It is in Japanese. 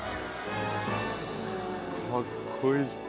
かっこいい。